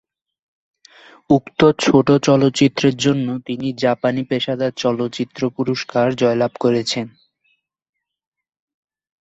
উক্ত ছোট চলচ্চিত্রের জন্য তিনি "জাপানী পেশাদার চলচ্চিত্র পুরস্কার" জয়লাভ করেছেন।